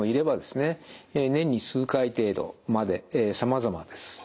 年に数回程度までさまざまです。